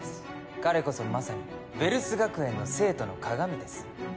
彼こそまさにヴェルス学園の生徒の鑑です。